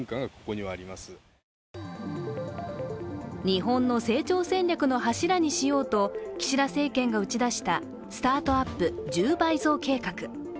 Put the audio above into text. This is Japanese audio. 日本の成長戦略の柱にしようと岸田政権が打ち出したスタートアップ１０倍増計画。